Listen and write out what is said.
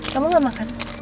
kamu gak makan